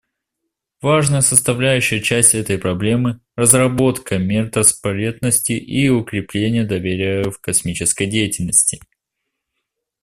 Важная составляющая часть этой проблемы — разработка мер транспарентности и укрепление доверия в космической деятельности.